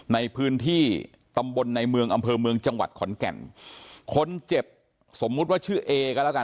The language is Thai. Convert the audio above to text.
ในพื้นที่ตำบลในเมืองอำเภอเมืองจังหวัดขอนแก่นคนเจ็บสมมุติว่าชื่อเอก็แล้วกัน